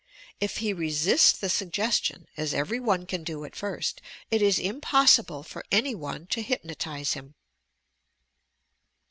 If he resists the suggestion, as every one can do at first, it is impossible for any one to hypnotize him.